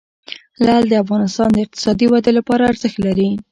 لعل د افغانستان د اقتصادي ودې لپاره ارزښت لري.